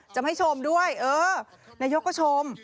จำให้ชมด้วยเออนายกก็ชม